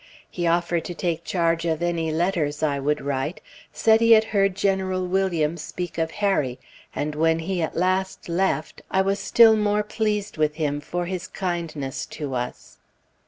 He offered to take charge of any letters I would write; said he had heard General Williams speak of Harry; and when he at last left, I was still more pleased with him for this kindness to us.